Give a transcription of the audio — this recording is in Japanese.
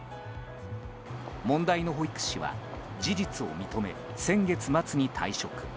問題の保育士は事実を認め先月末に退職。